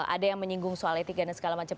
ada yang menyinggung soal etika dan segala macam